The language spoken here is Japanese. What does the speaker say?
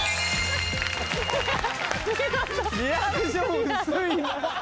リアクション薄いな。